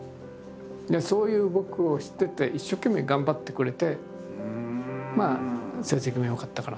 そういう僕を知ってて一生懸命頑張ってくれてまあ成績も良かったから。